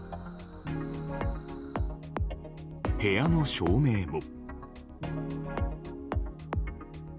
部屋の照明も。